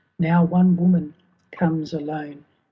Now one woman comes alone.